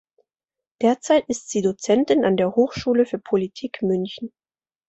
Derzeit ist sie Dozentin an der Hochschule für Politik München.